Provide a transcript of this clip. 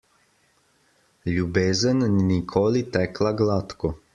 Ljubezen ni nikoli tekla gladko.